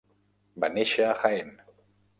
Va néixer a Jaén.